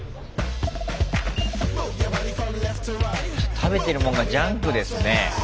食べてるもんがジャンクですね